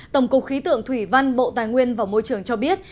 tổng cục khí tượng thủy văn bộ tài nguyên và môi trường cho biết